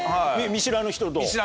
見知らぬ人と？